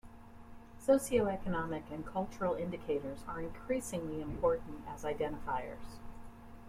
Socioeconomic and cultural indicators are increasingly important as identifiers.